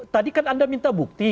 tadi kan anda minta bukti